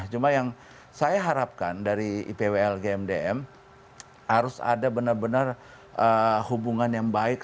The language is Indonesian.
cuma yang saya harapkan dari ipwl gmdm harus ada benar benar hubungan yang baik